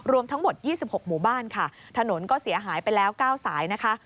รวมทั้งหมด๒๖หมู่บ้านค่ะถนนก็เสียหายไปแล้ว๙สายนะคะ